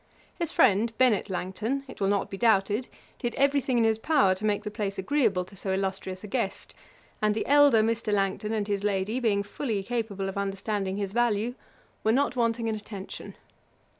His friend Bennet Langton, it will not be doubted, did every thing in his power to make the place agreeable to so illustrious a guest; and the elder Mr. Langton and his lady, being fully capable of understanding his value, were not wanting in attention.